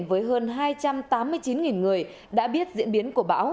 với hơn hai trăm tám mươi chín người đã biết diễn biến của bão